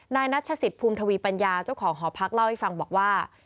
นัชศิษย์ภูมิทวีปัญญาเจ้าของหอพักเล่าให้ฟังบอกว่า